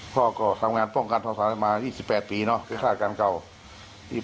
พ่อก็ทำงานป้องกันภาวศาลมา๒๘ปีเนาะก็ฆ่ากันเก่า๒๘ปี